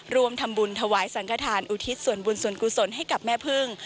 รวมทำบุญถวายสังขทานอุทิศส่วนบุญส่วนกุศลให้กับแม่พึ่ง